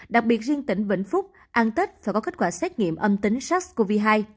đặc biệt riêng tỉnh vĩnh phúc ăn tết và có kết quả xét nghiệm âm tính sars cov hai